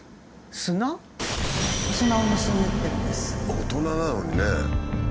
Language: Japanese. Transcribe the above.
大人なのにね。